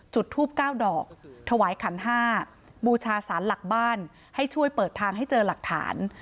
จุดทูป๙ดอกถวายขัน๕บูชาสารหลักบ้านให้ช่วยเปิดทางให้เจอหลักฐาน